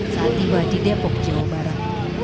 saat tiba di depok jawa barat